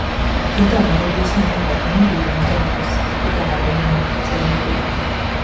কিন্তু আমাদের দেশে আমরা কখনই পিতামাতার উপস্থিতিতে তাঁহাদের নাম উচ্চারণ করি না।